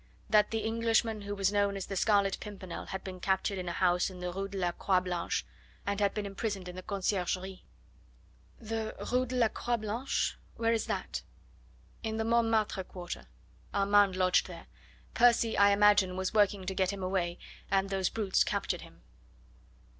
"That the Englishman who was known as the Scarlet Pimpernel had been captured in a house in the Rue de la Croix Blanche, and had been imprisoned in the Conciergerie." "The Rue de la Croix Blanche? Where is that?" "In the Montmartre quarter. Armand lodged there. Percy, I imagine, was working to get him away; and those brutes captured him."